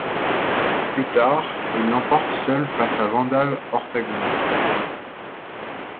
Plus tard, il l'emporte seul face à Vandal Ortagun.